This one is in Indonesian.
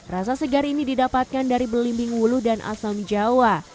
rasa segar ini didapatkan dari belimbing wulu dan asam jawa